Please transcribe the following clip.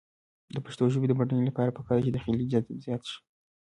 د پښتو ژبې د بډاینې لپاره پکار ده چې داخلي جذب زیات شي.